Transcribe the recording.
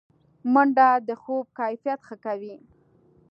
منډه د خوب کیفیت ښه کوي